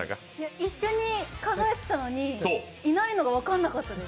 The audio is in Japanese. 一緒に数えてたのにいないのが分からなかったです。